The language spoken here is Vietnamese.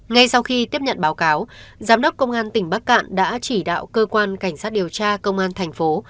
ngay sau khi tiếp nhận báo cáo giám đốc công an tỉnh bắc cạn đã chỉ đạo cơ quan cảnh sát điều tra công an thành phố